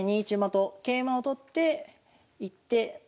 ２一馬と桂馬を取っていって。